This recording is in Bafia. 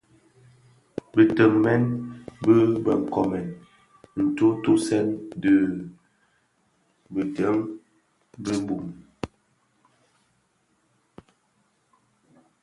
Bitenmen bi bë nkomèn ntutusèn dhi biden bi bum,